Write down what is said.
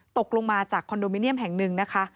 ตกลงมาจากคอนโดมิเนียมแห่งหนึ่งนะคะ